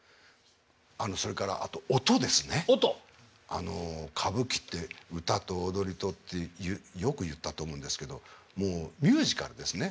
あの歌舞伎って歌と踊りとってよく言ったと思うんですけどもうミュージカルですね。